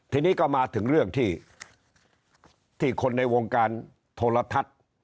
ทีนี้ก็มาถึงเรื่องที่คนในวงการโทรทัศน์